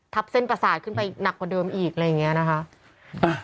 เส้นประสาทขึ้นไปหนักกว่าเดิมอีกอะไรอย่างนี้นะคะ